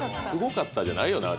「すごかった」じゃないよ。